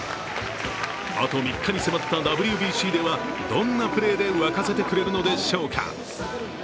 あと３日に迫ったＷＢＣでは、どんなプレーで沸かせてくれるのでしょうか。